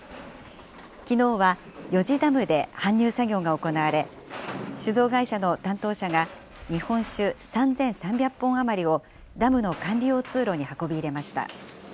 きのうは余地ダムで搬入作業が行われ、酒造会社の担当者が、日本酒３３００本余りを、ダムの管理用通路に運び入れました。